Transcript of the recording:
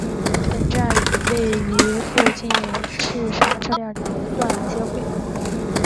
本站与位于附近的赤沙车辆段接轨。